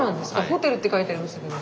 ホテルって書いてありましたけど。